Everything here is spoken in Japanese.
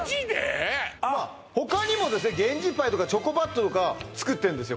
他にも源氏パイとかチョコバットとか作ってんですよ